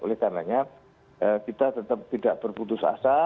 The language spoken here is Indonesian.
oleh karenanya kita tetap tidak berputus asa